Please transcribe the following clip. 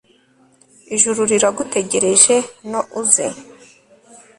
Ijuru riragutegereje no uze